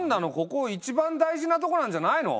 ここ一番大事なとこなんじゃないの？